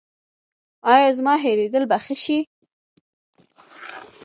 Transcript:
ایا زما هیریدل به ښه شي؟